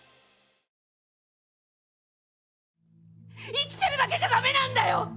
生きてるだけじゃダメなんだよ！